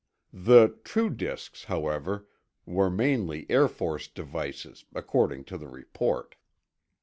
The "true disks," however, were mainly Air Force devices, according to the report.